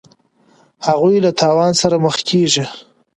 هغوی له تاوان سره مخ کیږي.